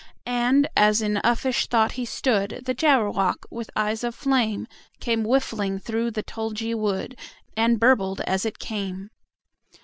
And, as in uffish thought he stood, The Jabberwock, with eyes of flame, Came whiffling through the tulgey wood, And burbled as it came!